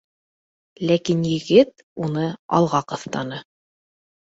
Ләкин егет уны алға ҡыҫтаны